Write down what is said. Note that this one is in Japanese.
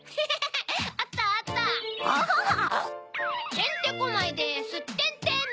てんてこまいですってんてん！